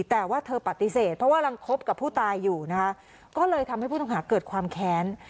แต่ว่าเธอปฏิเสธเพราะว่ายังคบกับผู้ตายอยู่นะคะก็เลยทำให้ผู้ต้องหาเกิดความแค้น